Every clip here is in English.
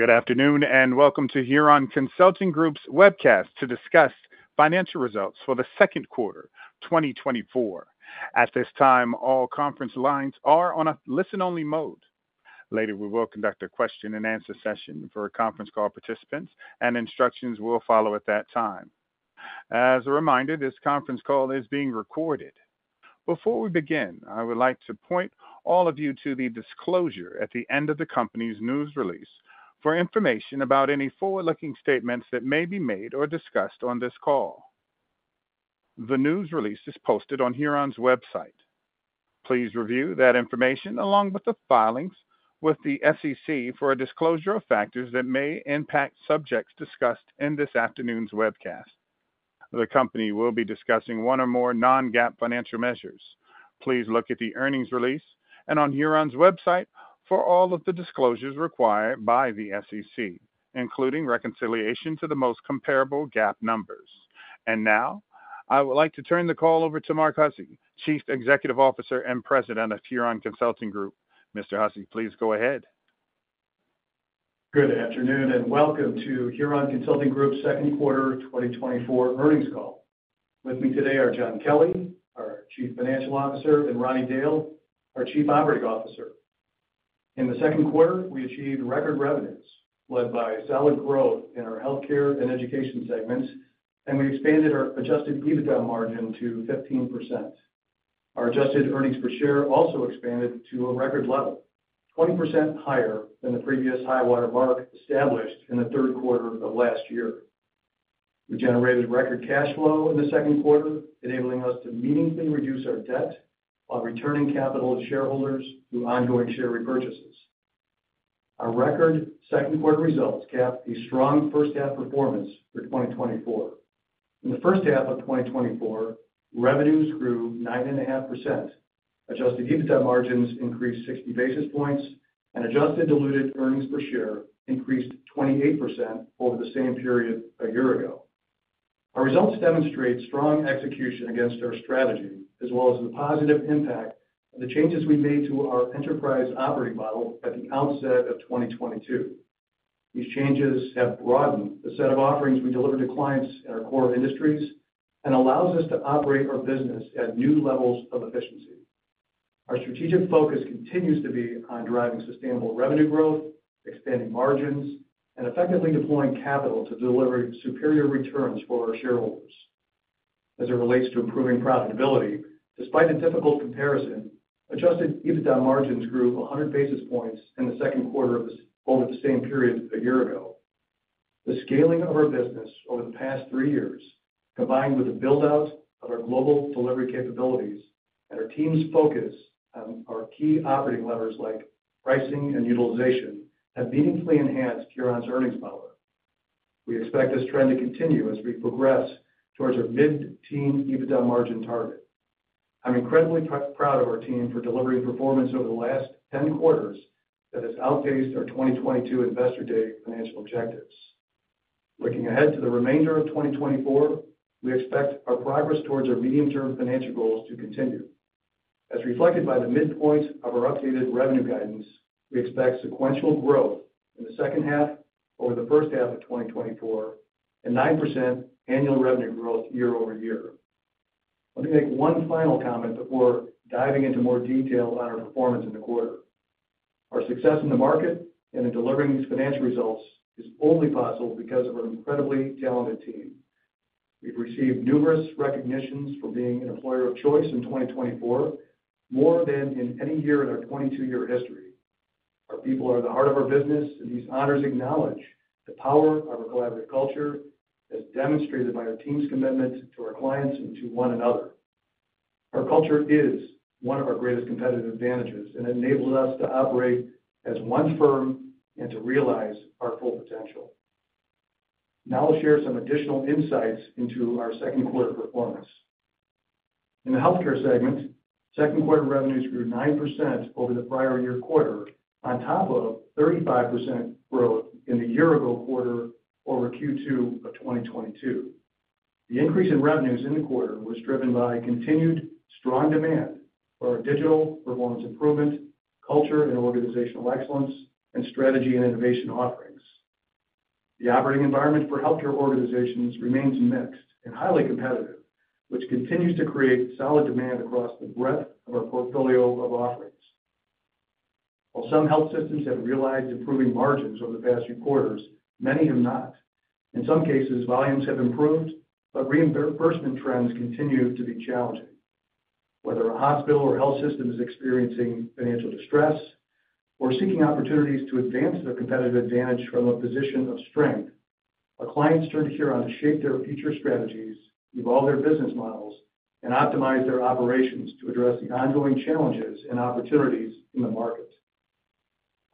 Good afternoon and welcome to Huron Consulting Group's webcast to discuss financial results for the second quarter 2024. At this time, all conference lines are on a listen-only mode. Later, we will conduct a Q&A for conference call participants, and instructions will follow at that time. As a reminder, this conference call is being recorded. Before we begin, I would like to point all of you to the disclosure at the end of the company's news release for information about any forward-looking statements that may be made or discussed on this call. The news release is posted on Huron's website. Please review that information along with the filings with the SEC for a disclosure of factors that may impact subjects discussed in this afternoon's webcast. The company will be discussing one or more non-GAAP financial measures. Please look at the earnings release and on Huron's website for all of the disclosures required by the SEC, including reconciliation to the most comparable GAAP numbers. Now, I would like to turn the call over to Mark Hussey, Chief Executive Officer and President of Huron Consulting Group. Mr. Hussey, please go ahead. Good afternoon and welcome to Huron Consulting Group's second quarter 2024 earnings call. With me today are John Kelly, our Chief Financial Officer, and Ronnie Dale, our Chief Operating Officer. In the second quarter, we achieved record revenues led by solid growth in our healthcare and education segments, and we expanded our adjusted EBITDA margin to 15%. Our adjusted earnings per share also expanded to a record level, 20% higher than the previous high-water mark established in the third quarter of last year. We generated record cash flow in the second quarter, enabling us to meaningfully reduce our debt while returning capital to shareholders through ongoing share repurchases. Our record second quarter results capped a strong first-half performance for 2024. In the first half of 2024, revenues grew 9.5%, adjusted EBITDA margins increased 60 basis points, and adjusted diluted earnings per share increased 28% over the same period a year ago. Our results demonstrate strong execution against our strategy, as well as the positive impact of the changes we made to our enterprise operating model at the outset of 2022. These changes have broadened the set of offerings we deliver to clients in our core industries and allow us to operate our business at new levels of efficiency. Our strategic focus continues to be on driving sustainable revenue growth, expanding margins, and effectively deploying capital to deliver superior returns for our shareholders. As it relates to improving profitability, despite a difficult comparison, adjusted EBITDA margins grew 100 basis points in the second quarter over the same period a year ago. The scaling of our business over the past 3 years, combined with the build-out of our global delivery capabilities and our team's focus on our key operating levers like pricing and utilization, have meaningfully enhanced Huron's earnings power. We expect this trend to continue as we progress towards our mid-teen EBITDA margin target. I'm incredibly proud of our team for delivering performance over the last 10 quarters that has outpaced our 2022 Investor Day financial objectives. Looking ahead to the remainder of 2024, we expect our progress towards our medium-term financial goals to continue. As reflected by the midpoint of our updated revenue guidance, we expect sequential growth in the second half over the first half of 2024 and 9% annual revenue growth year-over-year. Let me make one final comment before diving into more detail on our performance in the quarter. Our success in the market and in delivering these financial results is only possible because of our incredibly talented team. We've received numerous recognitions for being an employer of choice in 2024, more than in any year in our 22-year history. Our people are the heart of our business, and these honors acknowledge the power of our collaborative culture, as demonstrated by our team's commitment to our clients and to one another. Our culture is one of our greatest competitive advantages and enables us to operate as one firm and to realize our full potential. Now I'll share some additional insights into our second quarter performance. In the healthcare segment, second quarter revenues grew 9% over the prior year quarter, on top of 35% growth in the year-ago quarter over Q2 of 2022. The increase in revenues in the quarter was driven by continued strong demand for our digital performance improvement, culture and organizational excellence, and strategy and innovation offerings. The operating environment for healthcare organizations remains mixed and highly competitive, which continues to create solid demand across the breadth of our portfolio of offerings. While some health systems have realized improving margins over the past few quarters, many have not. In some cases, volumes have improved, but reimbursement trends continue to be challenging. Whether a hospital or health system is experiencing financial distress or seeking opportunities to advance their competitive advantage from a position of strength, our clients turn to Huron to shape their future strategies, evolve their business models, and optimize their operations to address the ongoing challenges and opportunities in the market.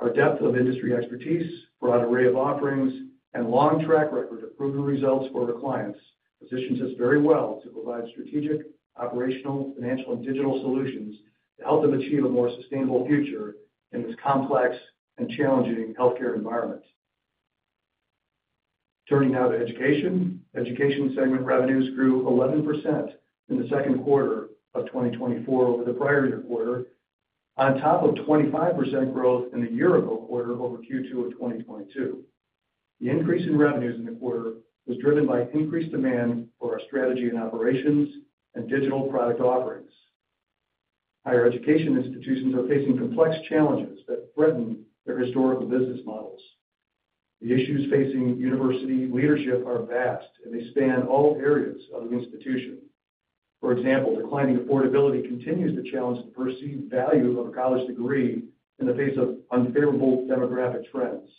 Our depth of industry expertise, broad array of offerings, and long track record of proven results for our clients position us very well to provide strategic, operational, financial, and digital solutions to help them achieve a more sustainable future in this complex and challenging healthcare environment. Turning now to education, education segment revenues grew 11% in the second quarter of 2024 over the prior year quarter, on top of 25% growth in the year-ago quarter over Q2 of 2022. The increase in revenues in the quarter was driven by increased demand for our strategy and operations and digital product offerings. Higher education institutions are facing complex challenges that threaten their historical business models. The issues facing university leadership are vast, and they span all areas of the institution. For example, declining affordability continues to challenge the perceived value of a college degree in the face of unfavorable demographic trends.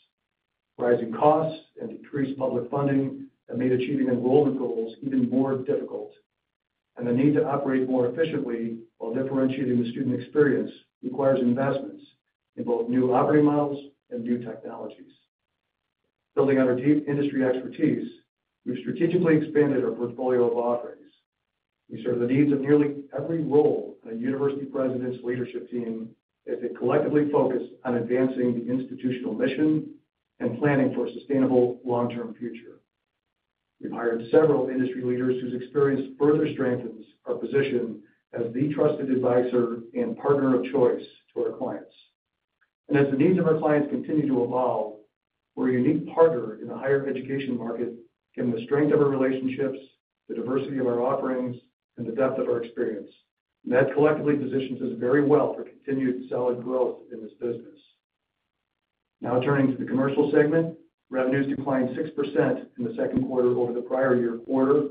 Rising costs and decreased public funding have made achieving enrollment goals even more difficult, and the need to operate more efficiently while differentiating the student experience requires investments in both new operating models and new technologies. Building on our deep industry expertise, we've strategically expanded our portfolio of offerings. We serve the needs of nearly every role in a university president's leadership team as they collectively focus on advancing the institutional mission and planning for a sustainable long-term future. We've hired several industry leaders whose experience further strengthens our position as the trusted advisor and partner of choice to our clients. As the needs of our clients continue to evolve, we're a unique partner in the higher education market given the strength of our relationships, the diversity of our offerings, and the depth of our experience. That collectively positions us very well for continued solid growth in this business. Now turning to the commercial segment, revenues declined 6% in the second quarter over the prior year quarter,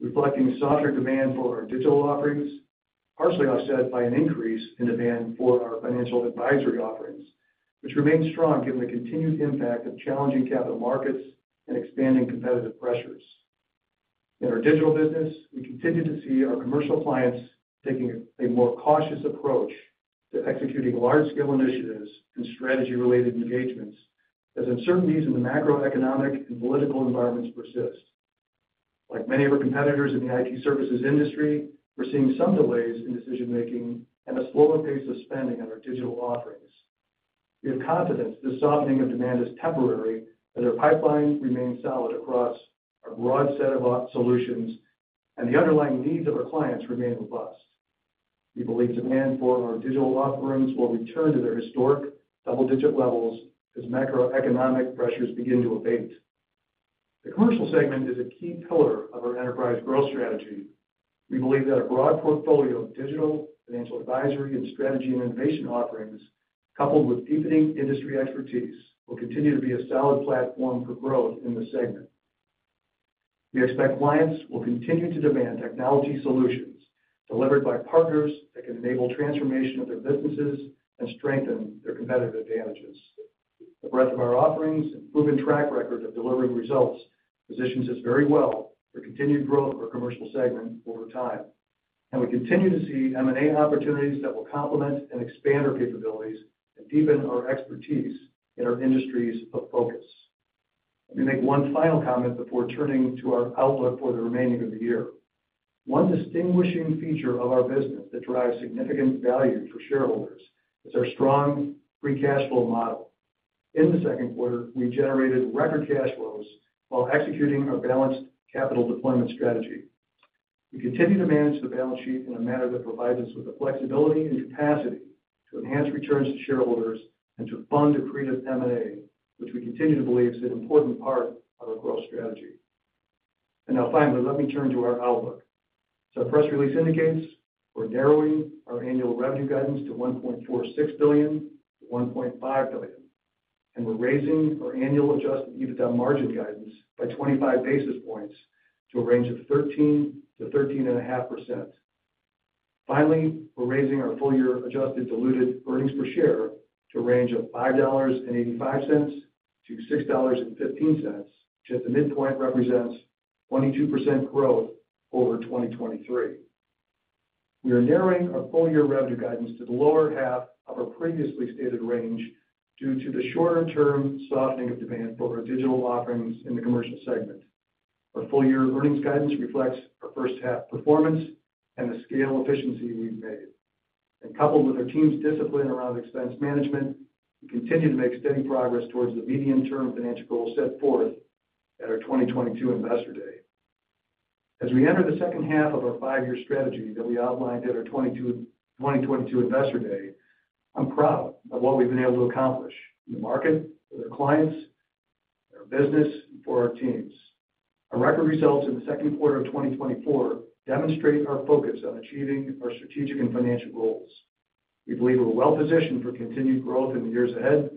reflecting softer demand for our digital offerings, partially offset by an increase in demand for our financial advisory offerings, which remains strong given the continued impact of challenging capital markets and expanding competitive pressures. In our digital business, we continue to see our commercial clients taking a more cautious approach to executing large-scale initiatives and strategy-related engagements as uncertainties in the macroeconomic and political environments persist. Like many of our competitors in the IT services industry, we're seeing some delays in decision-making and a slower pace of spending on our digital offerings. We have confidence that this softening of demand is temporary, as our pipeline remains solid across our broad set of solutions and the underlying needs of our clients remain robust. We believe demand for our digital offerings will return to their historic double-digit levels as macroeconomic pressures begin to abate. The commercial segment is a key pillar of our enterprise growth strategy. We believe that a broad portfolio of digital financial advisory and strategy and innovation offerings, coupled with deepening industry expertise, will continue to be a solid platform for growth in the segment. We expect clients will continue to demand technology solutions delivered by partners that can enable transformation of their businesses and strengthen their competitive advantages. The breadth of our offerings and proven track record of delivering results positions us very well for continued growth of our commercial segment over time. We continue to see M&A opportunities that will complement and expand our capabilities and deepen our expertise in our industries of focus. Let me make one final comment before turning to our outlook for the remainder of the year. One distinguishing feature of our business that drives significant value for shareholders is our strong free cash flow model. In the second quarter, we generated record cash flows while executing our balanced capital deployment strategy. We continue to manage the balance sheet in a manner that provides us with the flexibility and capacity to enhance returns to shareholders and to fund accretive M&A, which we continue to believe is an important part of our growth strategy. And now finally, let me turn to our outlook. As our press release indicates, we're narrowing our annual revenue guidance to $1.46 billion-$1.5 billion. We're raising our annual Adjusted EBITDA margin guidance by 25 basis points to a range of 13%-13.5%. Finally, we're raising our full-year Adjusted Diluted Earnings Per Share to a range of $5.85-$6.15, which at the midpoint represents 22% growth over 2023. We are narrowing our full-year revenue guidance to the lower half of our previously stated range due to the shorter-term softening of demand for our digital offerings in the commercial segment. Our full-year earnings guidance reflects our first-half performance and the scale efficiency we've made. Coupled with our team's discipline around expense management, we continue to make steady progress towards the medium-term financial goal set forth at our 2022 Investor Day. As we enter the second half of our five-year strategy that we outlined at our 2022 Investor Day, I'm proud of what we've been able to accomplish in the market, with our clients, our business, and for our teams. Our record results in the second quarter of 2024 demonstrate our focus on achieving our strategic and financial goals. We believe we're well positioned for continued growth in the years ahead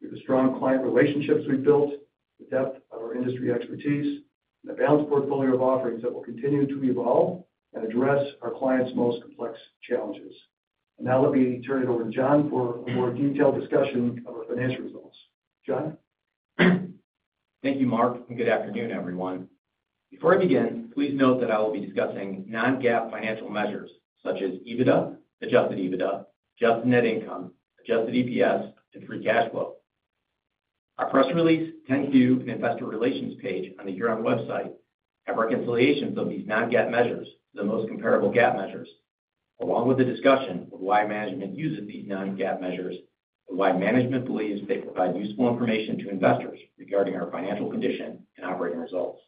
with the strong client relationships we've built, the depth of our industry expertise, and a balanced portfolio of offerings that will continue to evolve and address our clients' most complex challenges. And now let me turn it over to John for a more detailed discussion of our financial results. John? Thank you, Mark, and good afternoon, everyone. Before I begin, please note that I will be discussing non-GAAP financial measures such as EBITDA, adjusted EBITDA, adjusted net income, adjusted EPS, and free cash flow. Our press release, 10-Q, and investor relations page on the Huron website have reconciliations of these non-GAAP measures to the most comparable GAAP measures, along with a discussion of why management uses these non-GAAP measures and why management believes they provide useful information to investors regarding our financial condition and operating results.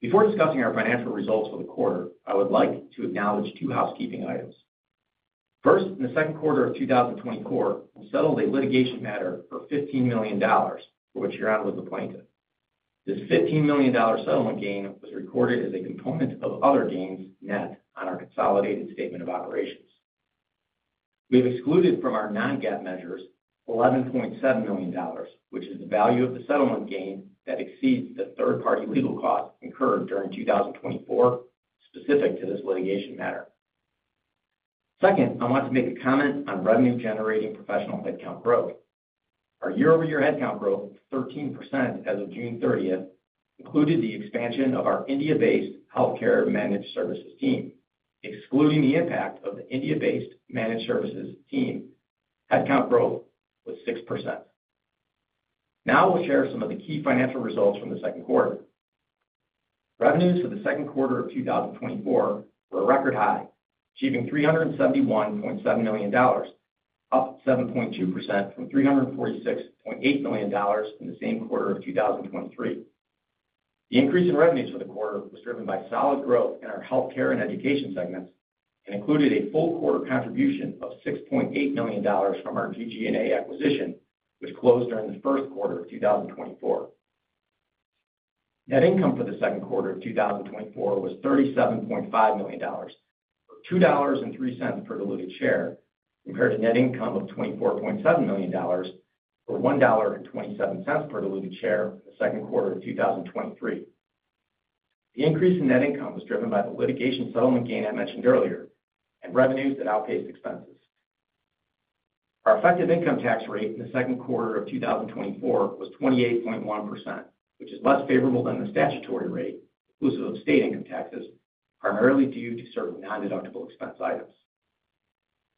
Before discussing our financial results for the quarter, I would like to acknowledge two housekeeping items. First, in the second quarter of 2024, we settled a litigation matter for $15 million for which Huron was appointed. This $15 million settlement gain was recorded as a component of other gains, net on our consolidated statement of operations. We have excluded from our non-GAAP measures $11.7 million, which is the value of the settlement gain that exceeds the third-party legal costs incurred during 2024 specific to this litigation matter. Second, I want to make a comment on revenue-generating professional headcount growth. Our year-over-year headcount growth of 13% as of June 30th included the expansion of our India-based healthcare managed services team. Excluding the impact of the India-based managed services team, headcount growth was 6%. Now I'll share some of the key financial results from the second quarter. Revenues for the second quarter of 2024 were a record high, achieving $371.7 million, up 7.2% from $346.8 million in the same quarter of 2023. The increase in revenues for the quarter was driven by solid growth in our healthcare and education segments and included a full quarter contribution of $6.8 million from our GG&A acquisition, which closed during the first quarter of 2024. Net income for the second quarter of 2024 was $37.5 million for $2.03 per diluted share compared to net income of $24.7 million for $1.27 per diluted share in the second quarter of 2023. The increase in net income was driven by the litigation settlement gain I mentioned earlier and revenues that outpaced expenses. Our effective income tax rate in the second quarter of 2024 was 28.1%, which is less favorable than the statutory rate, exclusive of state income taxes, primarily due to certain non-deductible expense items.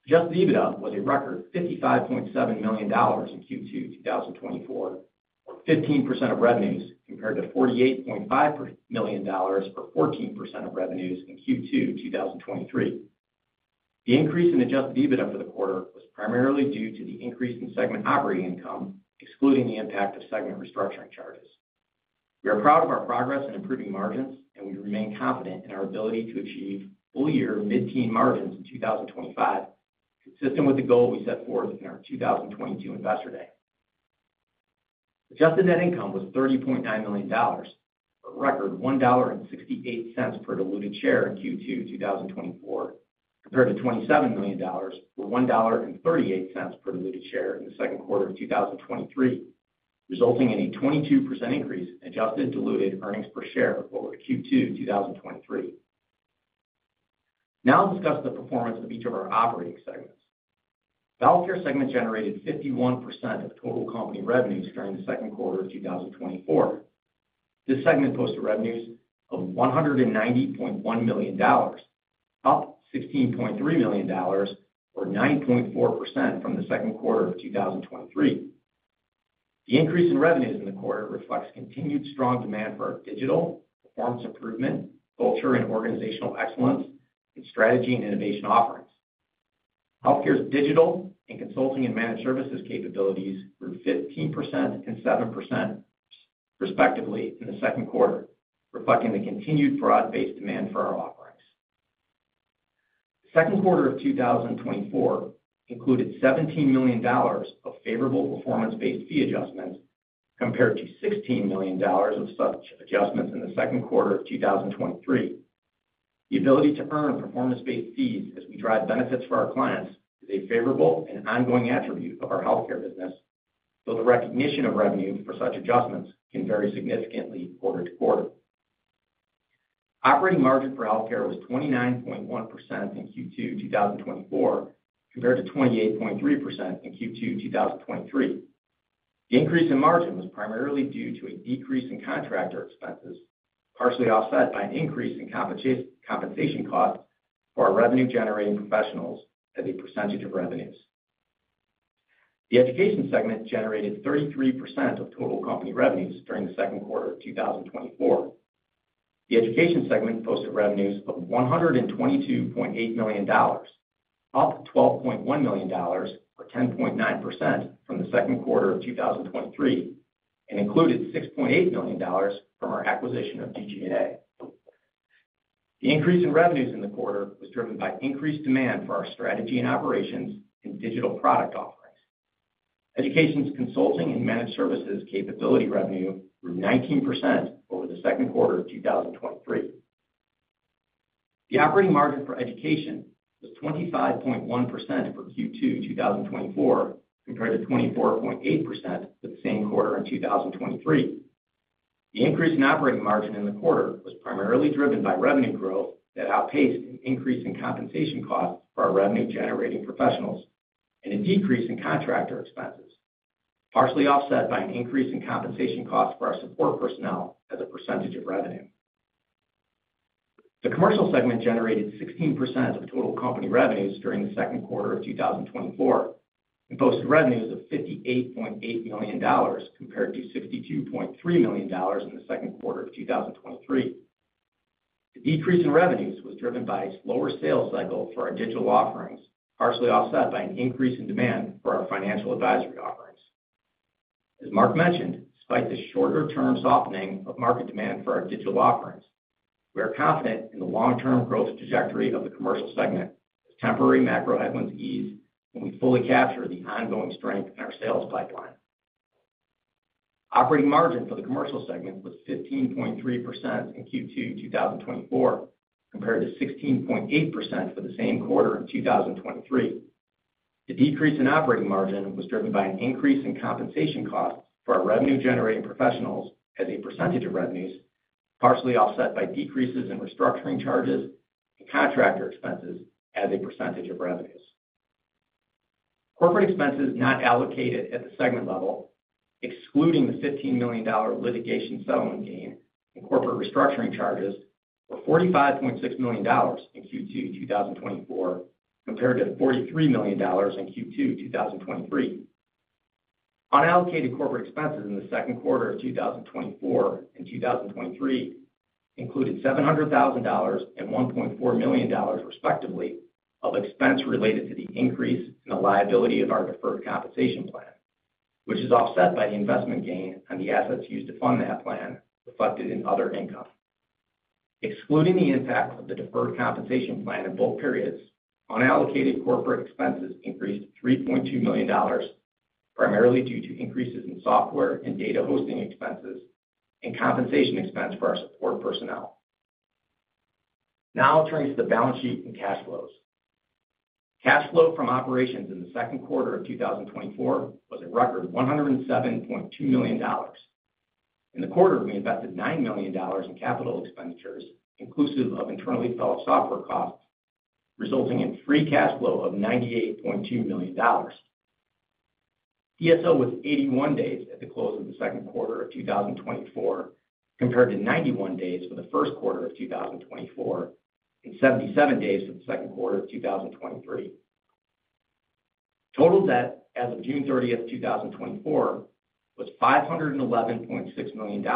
Adjusted EBITDA was a record $55.7 million in Q2 2024, or 15% of revenues, compared to $48.5 million or 14% of revenues in Q2 2023. The increase in Adjusted EBITDA for the quarter was primarily due to the increase in segment operating income, excluding the impact of segment restructuring charges. We are proud of our progress in improving margins, and we remain confident in our ability to achieve full-year mid-teen margins in 2025, consistent with the goal we set forth in our 2022 Investor Day. Adjusted Net Income was $30.9 million for a record $1.68 per diluted share in Q2 2024, compared to $27 million for $1.38 per diluted share in the second quarter of 2023, resulting in a 22% increase in Adjusted Diluted Earnings Per Share over Q2 2023. Now I'll discuss the performance of each of our operating segments. The healthcare segment generated 51% of total company revenues during the second quarter of 2024. This segment posted revenues of $190.1 million, up $16.3 million, or 9.4% from the second quarter of 2023. The increase in revenues in the quarter reflects continued strong demand for our digital, performance improvement, culture, and organizational excellence in strategy and innovation offerings. Healthcare's digital and consulting and managed services capabilities grew 15% and 7% respectively in the second quarter, reflecting the continued broad-based demand for our offerings. The second quarter of 2024 included $17 million of favorable performance-based fee adjustments compared to $16 million of such adjustments in the second quarter of 2023. The ability to earn performance-based fees as we drive benefits for our clients is a favorable and ongoing attribute of our healthcare business, though the recognition of revenue for such adjustments can vary significantly quarter to quarter. Operating margin for healthcare was 29.1% in Q2 2024 compared to 28.3% in Q2 2023. The increase in margin was primarily due to a decrease in contractor expenses, partially offset by an increase in compensation costs for our revenue-generating professionals as a percentage of revenues. The education segment generated 33% of total company revenues during the second quarter of 2024. The education segment posted revenues of $122.8 million, up $12.1 million or 10.9% from the second quarter of 2023, and included $6.8 million from our acquisition of GG+A. The increase in revenues in the quarter was driven by increased demand for our strategy and operations in digital product offerings. Education's consulting and managed services capability revenue grew 19% over the second quarter of 2023. The operating margin for education was 25.1% for Q2 2024 compared to 24.8% for the same quarter in 2023. The increase in operating margin in the quarter was primarily driven by revenue growth that outpaced an increase in compensation costs for our revenue-generating professionals and a decrease in contractor expenses, partially offset by an increase in compensation costs for our support personnel as a percentage of revenue. The commercial segment generated 16% of total company revenues during the second quarter of 2024 and posted revenues of $58.8 million compared to $62.3 million in the second quarter of 2023. The decrease in revenues was driven by a slower sales cycle for our digital offerings, partially offset by an increase in demand for our financial advisory offerings. As Mark mentioned, despite the shorter-term softening of market demand for our digital offerings, we are confident in the long-term growth trajectory of the commercial segment as temporary macro headwinds ease when we fully capture the ongoing strength in our sales pipeline. Operating margin for the commercial segment was 15.3% in Q2 2024 compared to 16.8% for the same quarter in 2023. The decrease in operating margin was driven by an increase in compensation costs for our revenue-generating professionals as a percentage of revenues, partially offset by decreases in restructuring charges and contractor expenses as a percentage of revenues. Corporate expenses not allocated at the segment level, excluding the $15 million litigation settlement gain and corporate restructuring charges, were $45.6 million in Q2 2024 compared to $43 million in Q2 2023. Unallocated corporate expenses in the second quarter of 2024 and 2023 included $700,000 and $1.4 million respectively of expense related to the increase in the liability of our deferred compensation plan, which is offset by the investment gain on the assets used to fund that plan reflected in other income. Excluding the impact of the deferred compensation plan in both periods, unallocated corporate expenses increased $3.2 million, primarily due to increases in software and data hosting expenses and compensation expense for our support personnel. Now I'll turn to the balance sheet and cash flows. Cash flow from operations in the second quarter of 2024 was a record $107.2 million. In the quarter, we invested $9 million in capital expenditures, inclusive of internally developed software costs, resulting in free cash flow of $98.2 million. DSO was 81 days at the close of the second quarter of 2024 compared to 91 days for the first quarter of 2024 and 77 days for the second quarter of 2023. Total debt as of June 30th, 2024, was $511.6 million,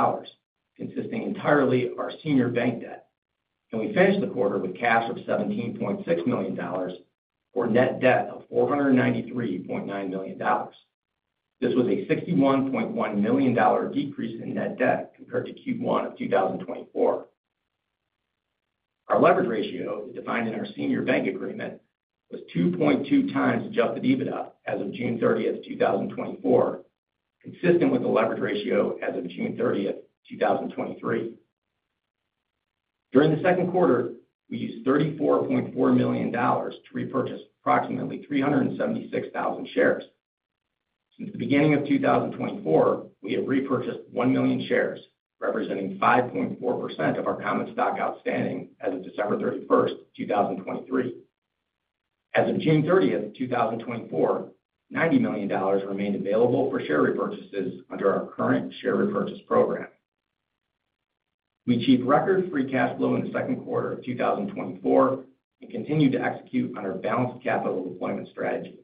consisting entirely of our senior bank debt. We finished the quarter with cash of $17.6 million or net debt of $493.9 million. This was a $61.1 million decrease in net debt compared to Q1 of 2024. Our leverage ratio, defined in our senior bank agreement, was 2.2x Adjusted EBITDA as of June 30th, 2024, consistent with the leverage ratio as of June 30th, 2023. During the second quarter, we used $34.4 million to repurchase approximately 376,000 shares. Since the beginning of 2024, we have repurchased 1 million shares, representing 5.4% of our common stock outstanding as of December 31st, 2023. As of June 30th, 2024, $90 million remained available for share repurchases under our current share repurchase program. We achieved record Free Cash Flow in the second quarter of 2024 and continued to execute on our balanced capital deployment strategy.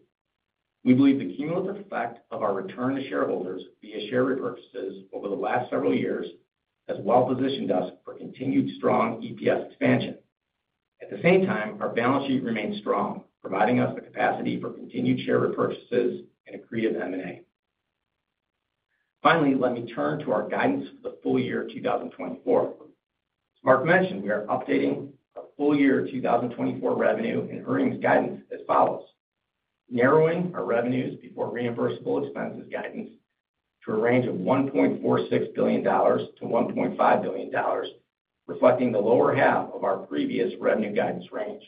We believe the cumulative effect of our return to shareholders via share repurchases over the last several years has well positioned us for continued strong EPS expansion. At the same time, our balance sheet remains strong, providing us the capacity for continued share repurchases and accretive M&A. Finally, let me turn to our guidance for the full year of 2024. As Mark mentioned, we are updating our full year 2024 revenue and earnings guidance as follows. Narrowing our revenues before reimbursable expenses guidance to a range of $1.46 billion-$1.5 billion, reflecting the lower half of our previous revenue guidance range.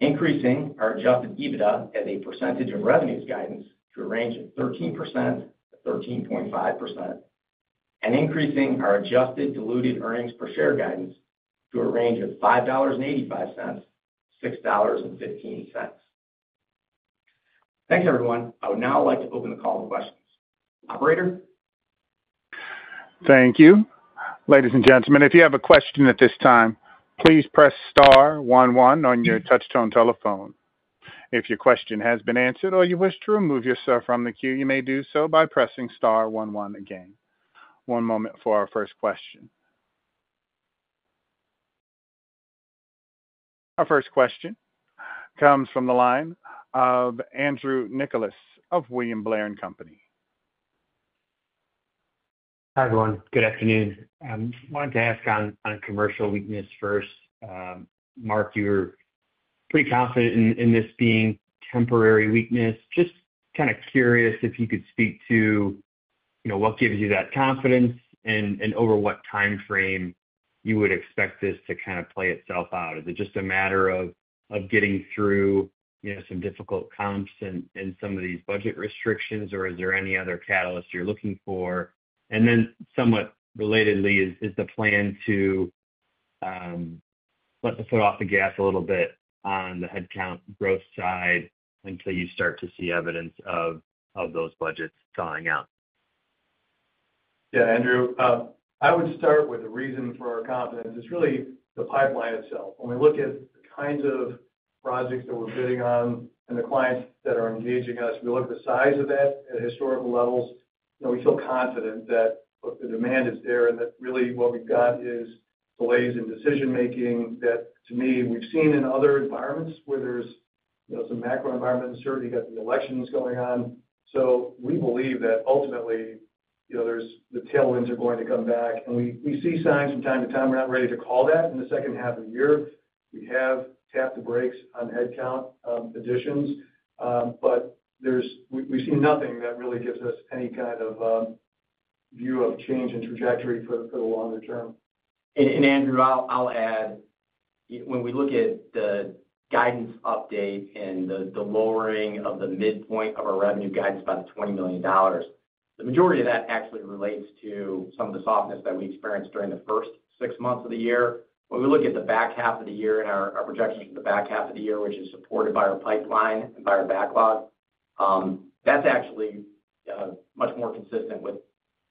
Increasing our Adjusted EBITDA as a percentage of revenues guidance to a range of 13%-13.5%, and increasing our Adjusted Diluted Earnings Per Share guidance to a range of $5.85-$6.15. Thanks, everyone. I would now like to open the call to questions. Operator? Thank you. Ladies and gentlemen, if you have a question at this time, please press star one one on your touch-tone telephone. If your question has been answered or you wish to remove yourself from the queue, you may do so by pressing star one one again. One moment for our first question. Our first question comes from the line of Andrew Nicholas of William Blair and Company. Hi, everyone. Good afternoon. I wanted to ask on commercial weakness first. Mark, you're pretty confident in this being temporary weakness. Just kind of curious if you could speak to what gives you that confidence and over what timeframe you would expect this to kind of play itself out. Is it just a matter of getting through some difficult comps and some of these budget restrictions, or is there any other catalysts you're looking for? Somewhat relatedly, is the plan to let the foot off the gas a little bit on the headcount growth side until you start to see evidence of those budgets thawing out? Yeah, Andrew, I would start with the reason for our confidence. It's really the pipeline itself. When we look at the kinds of projects that we're bidding on and the clients that are engaging us, we look at the size of that at historical levels. We feel confident that the demand is there and that really what we've got is delays in decision-making that, to me, we've seen in other environments where there's some macro environment uncertainty because of the elections going on. So we believe that ultimately the tailwinds are going to come back. And we see signs from time to time. We're not ready to call that in the second half of the year. We have tapped the brakes on headcount additions, but we've seen nothing that really gives us any kind of view of change in trajectory for the longer term. And Andrew, I'll add, when we look at the guidance update and the lowering of the midpoint of our revenue guidance by the $20 million, the majority of that actually relates to some of the softness that we experienced during the first six months of the year. When we look at the back half of the year and our projections for the back half of the year, which is supported by our pipeline and by our backlog, that's actually much more consistent with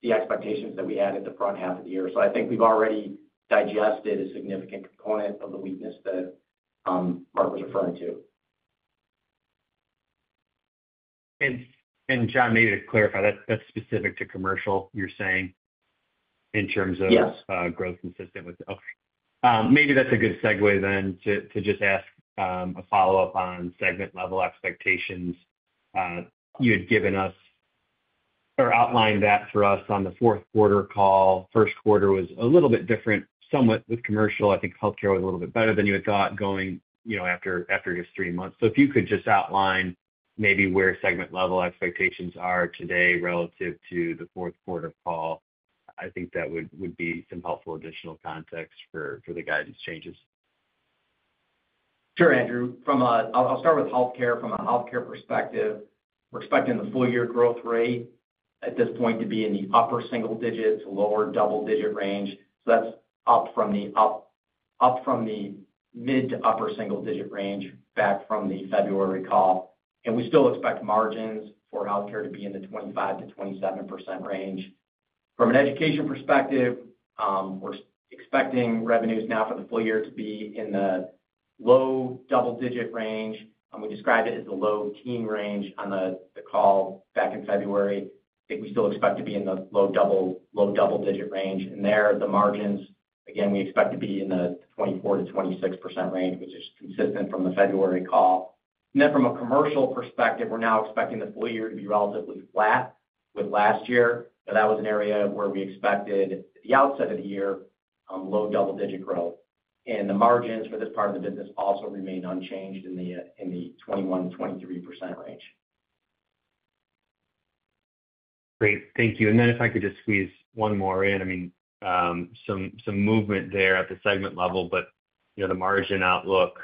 the expectations that we had at the front half of the year. So I think we've already digested a significant component of the weakness that Mark was referring to. And John, maybe to clarify, that's specific to commercial, you're saying, in terms of growth consistent with? Yes. Okay. Maybe that's a good segue then to just ask a follow-up on segment-level expectations. You had given us or outlined that for us on the fourth quarter call. First quarter was a little bit different, somewhat with commercial. I think healthcare was a little bit better than you had thought going after just three months. So if you could just outline maybe where segment-level expectations are today relative to the fourth quarter call, I think that would be some helpful additional context for the guidance changes. Sure, Andrew. I'll start with healthcare. From a healthcare perspective, we're expecting the full-year growth rate at this point to be in the upper single-digit to lower double-digit range. So that's up from the mid to upper single-digit range back from the February call. We still expect margins for healthcare to be in the 25%-27% range. From an education perspective, we're expecting revenues now for the full year to be in the low double-digit range. We described it as the low teen range on the call back in February. I think we still expect to be in the low double-digit range. And there, the margins, again, we expect to be in the 24%-26% range, which is consistent from the February call. And then from a commercial perspective, we're now expecting the full year to be relatively flat with last year. But that was an area where we expected at the outset of the year, low double-digit growth. And the margins for this part of the business also remain unchanged in the 21%-23% range. Great. Thank you. And then if I could just squeeze one more in, I mean, some movement there at the segment level, but the margin outlook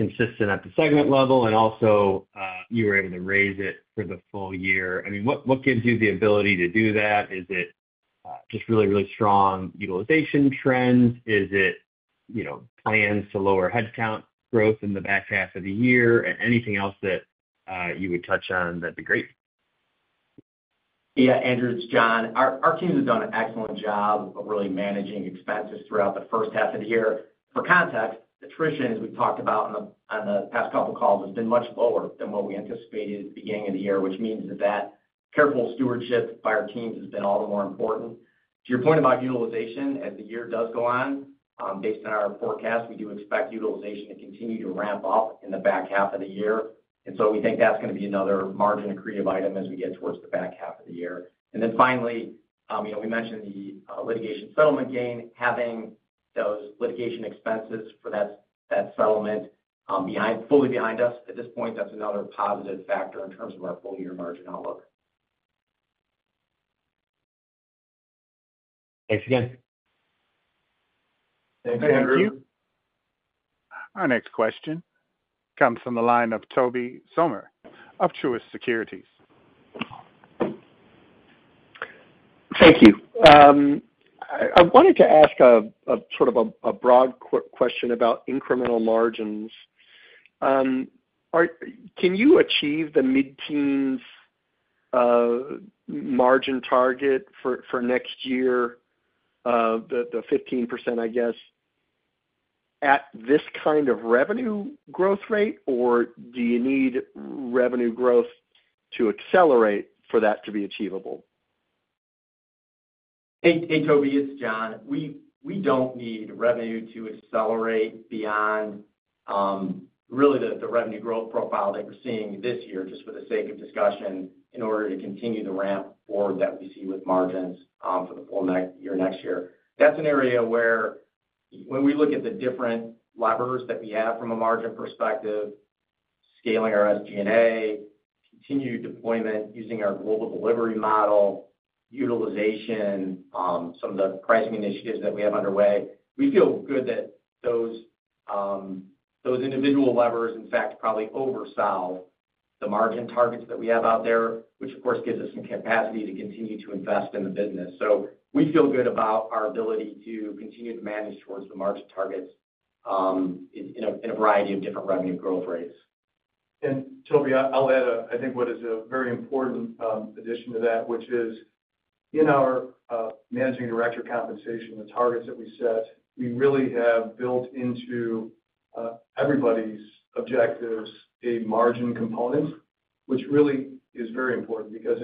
consistent at the segment level, and also you were able to raise it for the full year. I mean, what gives you the ability to do that? Is it just really, really strong utilization trends? Is it plans to lower headcount growth in the back half of the year? Anything else that you would touch on that'd be great? Yeah, Andrew, it's John. Our team has done an excellent job of really managing expenses throughout the first half of the year. For context, attrition, as we've talked about on the past couple of calls, has been much lower than what we anticipated at the beginning of the year, which means that that careful stewardship by our teams has been all the more important. To your point about utilization, as the year does go on, based on our forecast, we do expect utilization to continue to ramp up in the back half of the year. And so we think that's going to be another margin and creative item as we get towards the back half of the year. And then finally, we mentioned the litigation settlement gain, having those litigation expenses for that settlement fully behind us at this point, that's another positive factor in terms of our full-year margin outlook. Thanks again. Thanks, Andrew. Thank you. Our next question comes from the line of Toby Sommer of Truist Securities. Thank you. I wanted to ask sort of a broad question about incremental margins. Can you achieve the mid-teens margin target for next year, the 15%, I guess, at this kind of revenue growth rate, or do you need revenue growth to accelerate for that to be achievable? Hey, Toby, it's John. We don't need revenue to accelerate beyond really the revenue growth profile that we're seeing this year, just for the sake of discussion, in order to continue the ramp forward that we see with margins for the full year next year. That's an area where when we look at the different levers that we have from a margin perspective, scaling our SG&A, continued deployment using our global delivery model, utilization, some of the pricing initiatives that we have underway, we feel good that those individual levers, in fact, probably oversell the margin targets that we have out there, which, of course, gives us some capacity to continue to invest in the business. So we feel good about our ability to continue to manage towards the margin targets in a variety of different revenue growth rates. And Toby, I'll add, I think, what is a very important addition to that, which is in our managing director compensation, the targets that we set, we really have built into everybody's objectives a margin component, which really is very important because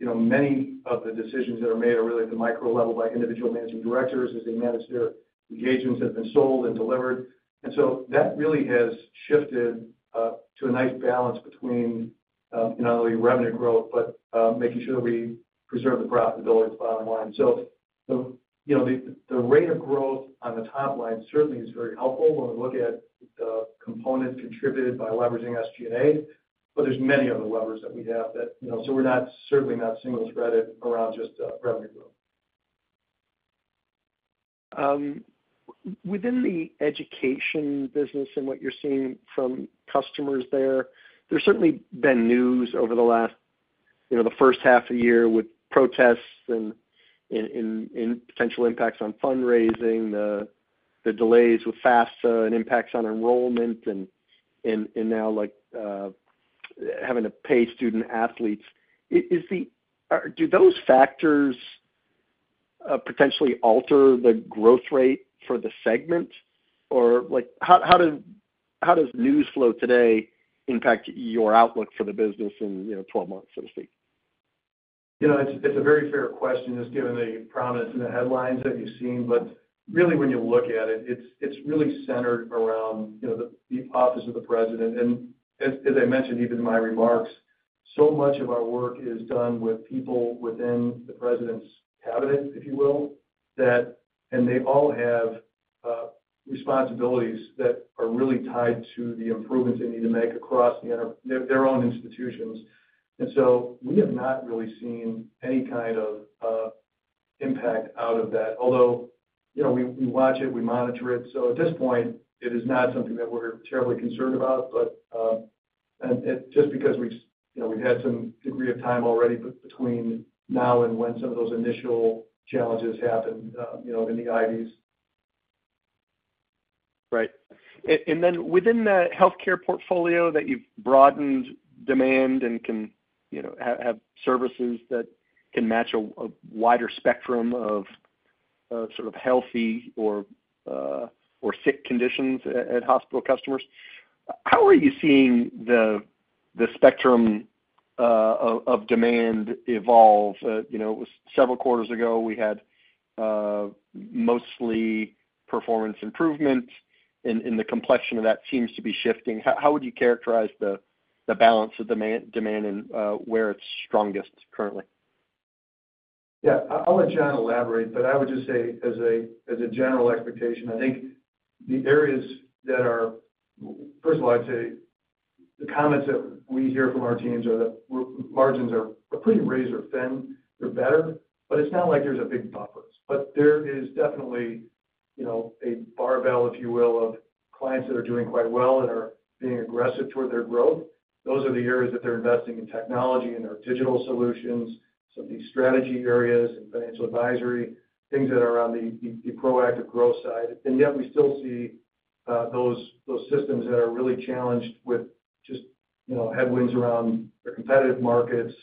many of the decisions that are made are really at the micro level by individual managing directors as they manage their engagements that have been sold and delivered. And so that really has shifted to a nice balance between not only revenue growth, but making sure that we preserve the profitability of the bottom line. So the rate of growth on the top line certainly is very helpful when we look at the components contributed by leveraging SG&A, but there's many other levers that we have that so we're certainly not single-threaded around just revenue growth. Within the education business and what you're seeing from customers there, there's certainly been news over the last, the first half of the year with protests and potential impacts on fundraising, the delays with FAFSA and impacts on enrollment, and now having to pay student athletes. Do those factors potentially alter the growth rate for the segment? Or how does news flow today impact your outlook for the business in 12 months, so to speak? It's a very fair question just given the prominence in the headlines that you've seen. But really, when you look at it, it's really centered around the office of the president. And as I mentioned even in my remarks, so much of our work is done with people within the president's cabinet, if you will, and they all have responsibilities that are really tied to the improvements they need to make across their own institutions. And so we have not really seen any kind of impact out of that, although we watch it, we monitor it. So at this point, it is not something that we're terribly concerned about. But just because we've had some degree of time already between now and when some of those initial challenges happen in the IVs. Right. And then within the healthcare portfolio that you've broadened demand and can have services that can match a wider spectrum of sort of healthy or sick conditions at hospital customers, how are you seeing the spectrum of demand evolve? Several quarters ago, we had mostly performance improvement, and the complexion of that seems to be shifting. How would you characterize the balance of demand and where it's strongest currently? Yeah. I'll let John elaborate, but I would just say as a general expectation, I think the areas that are first of all, I'd say the comments that we hear from our teams are that margins are pretty razor thin. They're better, but it's not like there's a big buffer. But there is definitely a barbell, if you will, of clients that are doing quite well and are being aggressive toward their growth. Those are the areas that they're investing in technology and their digital solutions, some of these strategy areas and financial advisory, things that are on the proactive growth side. And yet we still see those systems that are really challenged with just headwinds around their competitive markets,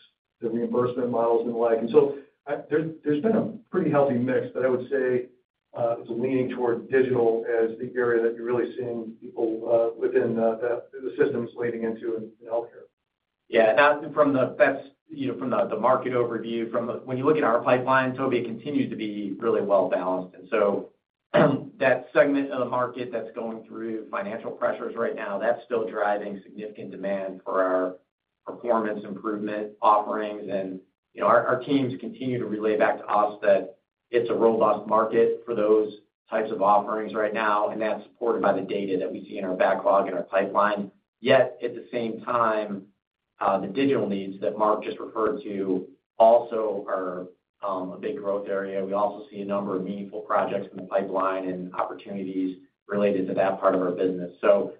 their reimbursement models, and the like. And so there's been a pretty healthy mix, but I would say it's leaning toward digital as the area that you're really seeing people within the systems leading into in healthcare. Yeah. And from the market overview, when you look at our pipeline, Toby, it continues to be really well balanced. And so that segment of the market that's going through financial pressures right now, that's still driving significant demand for our performance improvement offerings. And our teams continue to relay back to us that it's a robust market for those types of offerings right now, and that's supported by the data that we see in our backlog and our pipeline. Yet at the same time, the digital needs that Mark just referred to also are a big growth area. We also see a number of meaningful projects in the pipeline and opportunities related to that part of our business. So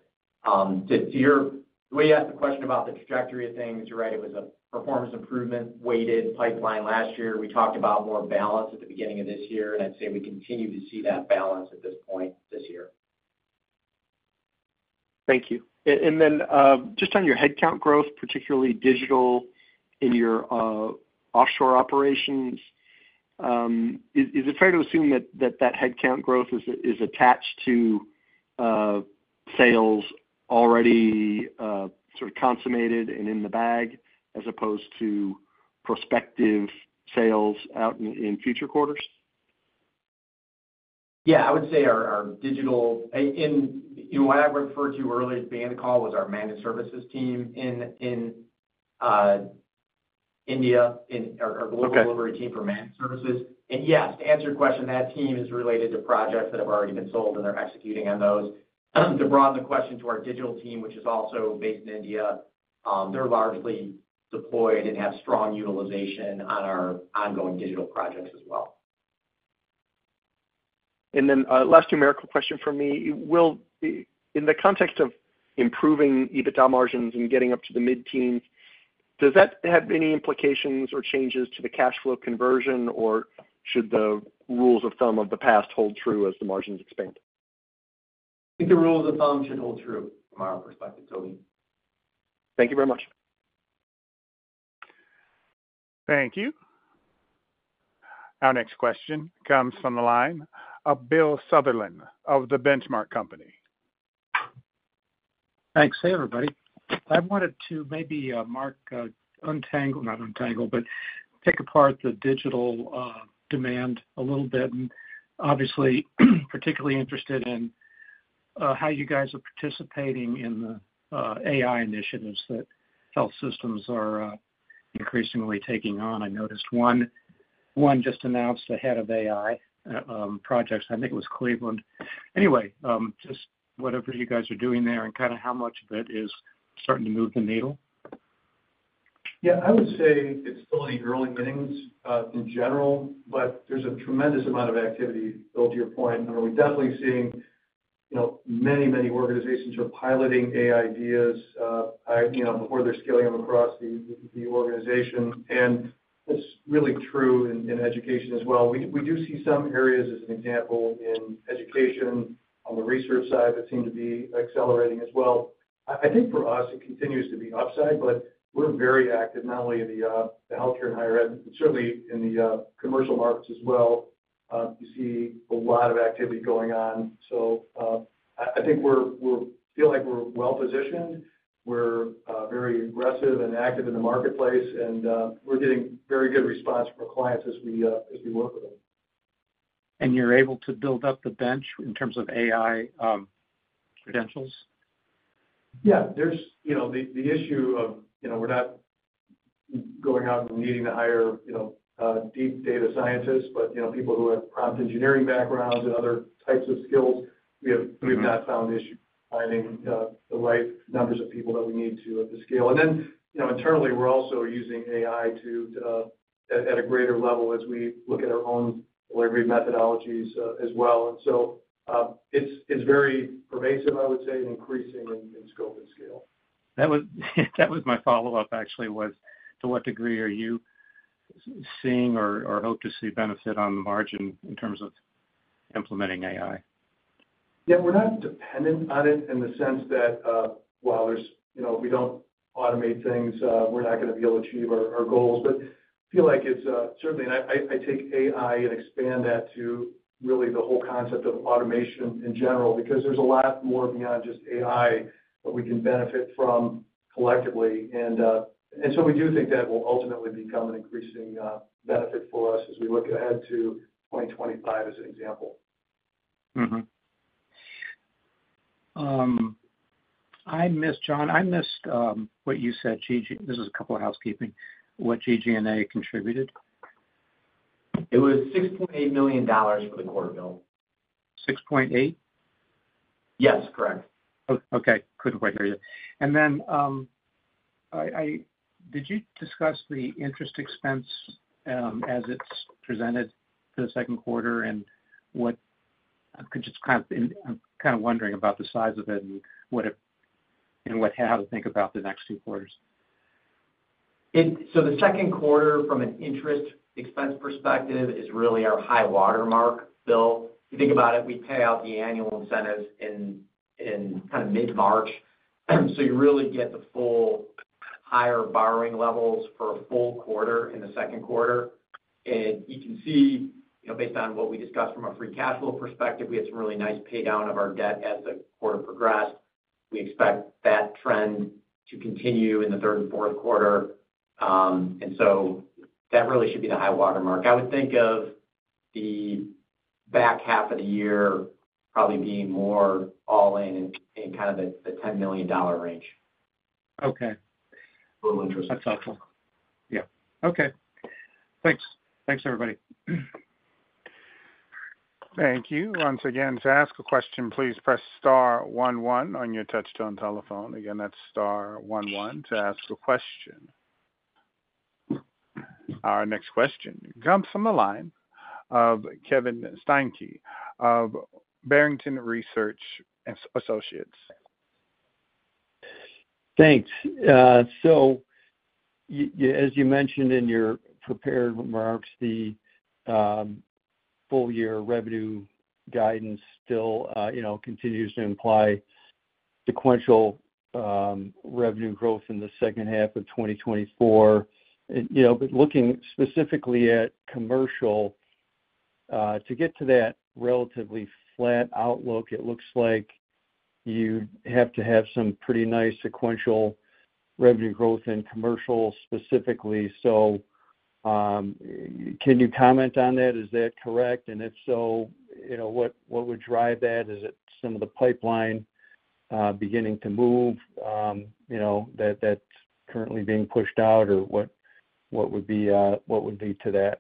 to your way you asked the question about the trajectory of things, you're right, it was a performance improvement-weighted pipeline last year. We talked about more balance at the beginning of this year, and I'd say we continue to see that balance at this point this year. Thank you. And then just on your headcount growth, particularly digital in your offshore operations, is it fair to assume that that headcount growth is attached to sales already sort of consummated and in the bag as opposed to prospective sales out in future quarters? Yeah. I would say our digital and what I referred to earlier at the beginning of the call was our managed services team in India and our global delivery team for managed services. And yes, to answer your question, that team is related to projects that have already been sold, and they're executing on those. To broaden the question to our digital team, which is also based in India, they're largely deployed and have strong utilization on our ongoing digital projects as well. And then last numerical question from me. In the context of improving EBITDA margins and getting up to the mid-teens, does that have any implications or changes to the cash flow conversion, or should the rules of thumb of the past hold true as the margins expand? I think the rules of thumb should hold true from our perspective, Toby. Thank you very much. Thank you. Our next question comes from the line of Bill Sutherland of the Benchmark Company. Thanks. Hey, everybody. I wanted to maybe take apart the digital demand a little bit. And obviously, particularly interested in how you guys are participating in the AI initiatives that health systems are increasingly taking on. I noticed one just announced the head of AI projects. I think it was Cleveland. Anyway, just whatever you guys are doing there and kind of how much of it is starting to move the needle? Yeah. I would say it's still in the early innings in general, but there's a tremendous amount of activity, but to your point. And we're definitely seeing many, many organizations are piloting AI ideas before they're scaling them across the organization. And that's really true in education as well. We do see some areas, as an example, in education on the research side that seem to be accelerating as well. I think for us, it continues to be upside, but we're very active, not only in the healthcare and higher ed, but certainly in the commercial markets as well. You see a lot of activity going on. So I think we feel like we're well positioned. We're very aggressive and active in the marketplace, and we're getting very good response from our clients as we work with them. And you're able to build up the bench in terms of AI credentials? Yeah. There's the issue of we're not going out and needing to hire deep data scientists, but people who have prompt engineering backgrounds and other types of skills. We have not found an issue finding the right numbers of people that we need to at the scale. And then internally, we're also using AI at a greater level as we look at our own delivery methodologies as well. And so it's very pervasive, I would say, and increasing in scope and scale. That was my follow-up, actually, was to what degree are you seeing or hope to see benefit on the margin in terms of implementing AI? Yeah. We're not dependent on it in the sense that while we don't automate things, we're not going to be able to achieve our goals. But I feel like it's certainly—and I take AI and expand that to really the whole concept of automation in general because there's a lot more beyond just AI that we can benefit from collectively. And so we do think that will ultimately become an increasing benefit for us as we look ahead to 2025 as an example. I missed, John. I missed what you said. This is a couple of housekeeping. What GG&A contributed? It was $6.8 million for the quarter, Bill. 6.8? Yes. Correct. Okay. Couldn't quite hear you. And then did you discuss the interest expense as it's presented for the second quarter? And I'm just kind of wondering about the size of it and how to think about the next two quarters. So the second quarter, from an interest expense perspective, is really our high watermark, Bill. You think about it. We pay out the annual incentives in kind of mid-March. So you really get the full higher borrowing levels for a full quarter in the second quarter. And you can see, based on what we discussed from a free cash flow perspective, we had some really nice paydown of our debt as the quarter progressed. We expect that trend to continue in the third and fourth quarter. And so that really should be the high watermark. I would think of the back half of the year probably being more all-in in kind of the $10 million range. Okay. A little interesting. That's helpful. Yeah. Okay. Thanks. Thanks, everybody. Thank you. Once again, to ask a question, please press star one one on your touch-tone telephone. Again, that's star one one to ask a question. Our next question comes from the line of Kevin Steinke of Barrington Research Associates. Thanks. So as you mentioned in your prepared remarks, the full-year revenue guidance still continues to imply sequential revenue growth in the second half of 2024. But looking specifically at commercial, to get to that relatively flat outlook, it looks like you'd have to have some pretty nice sequential revenue growth in commercial specifically. So can you comment on that? Is that correct? And if so, what would drive that? Is it some of the pipeline beginning to move that's currently being pushed out, or what would be to that?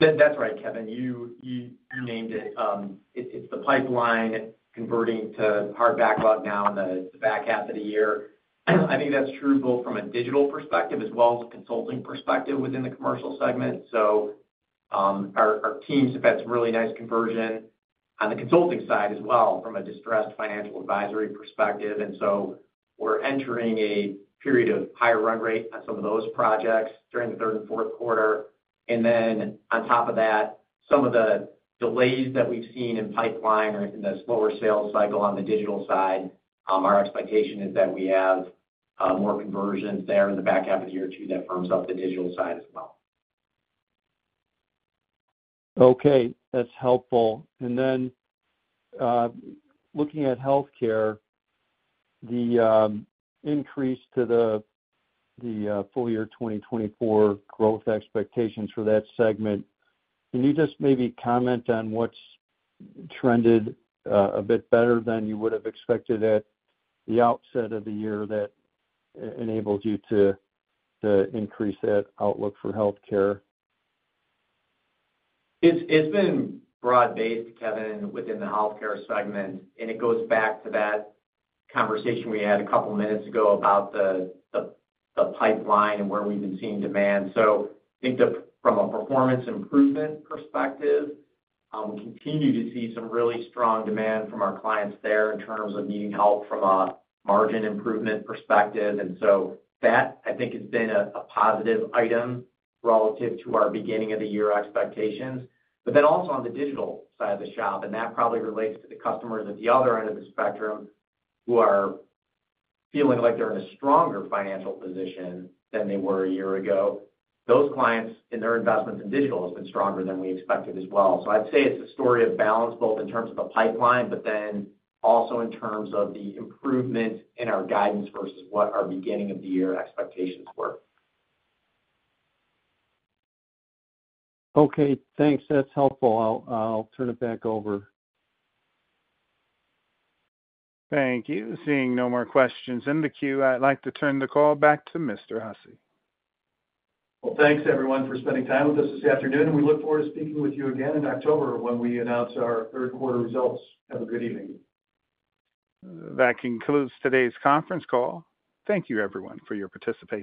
That's right, Kevin. You named it. It's the pipeline converting to hard backlog now in the back half of the year. I think that's true both from a digital perspective as well as a consulting perspective within the commercial segment. So our team's had some really nice conversion on the consulting side as well from a distressed financial advisory perspective. And so we're entering a period of higher run rate on some of those projects during the third and fourth quarter. And then on top of that, some of the delays that we've seen in pipeline or in the slower sales cycle on the digital side, our expectation is that we have more conversions there in the back half of the year too that firms up the digital side as well. Okay. That's helpful. And then looking at healthcare, the increase to the full-year 2024 growth expectations for that segment, can you just maybe comment on what's trended a bit better than you would have expected at the outset of the year that enabled you to increase that outlook for healthcare? It's been broad-based, Kevin, within the healthcare segment. And it goes back to that conversation we had a couple of minutes ago about the pipeline and where we've been seeing demand. So I think from a performance improvement perspective, we continue to see some really strong demand from our clients there in terms of needing help from a margin improvement perspective. And so that, I think, has been a positive item relative to our beginning of the year expectations. But then also on the digital side of the shop, and that probably relates to the customers at the other end of the spectrum who are feeling like they're in a stronger financial position than they were a year ago. Those clients and their investments in digital have been stronger than we expected as well. So I'd say it's a story of balance both in terms of the pipeline, but then also in terms of the improvement in our guidance versus what our beginning of the year expectations were. Okay. Thanks. That's helpful. I'll turn it back over. Thank you. Seeing no more questions in the queue, I'd like to turn the call back to Mr. Hussey. Well, thanks, everyone, for spending time with us this afternoon. We look forward to speaking with you again in October when we announce our third-quarter results. Have a good evening. That concludes today's conference call. Thank you, everyone, for your participation.